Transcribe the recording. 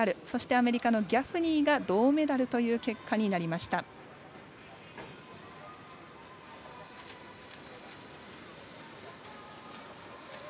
アメリカのギャフニーが銅メダルという結果になりました。